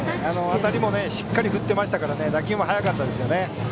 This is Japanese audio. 当たりもしっかり振っていましたから打球も速かったですね。